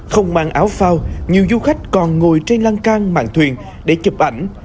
không mang áo phao nhiều du khách còn ngồi trên lăng can mạng thuyền để chụp ảnh